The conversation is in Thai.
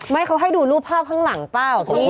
ไม่เขาให้ดูรูปภาพข้างหลังเปล่าพี่